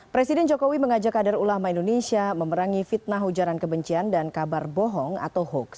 presiden jokowi mengajak kader ulama indonesia memerangi fitnah ujaran kebencian dan kabar bohong atau hoax